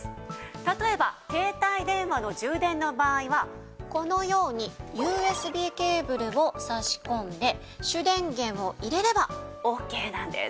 例えば携帯電話の充電の場合はこのようにＵＳＢケーブルをさし込んで主電源を入れればオーケーなんです。